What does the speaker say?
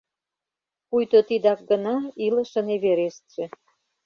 Пуйто тидак гына илышын Эверестше.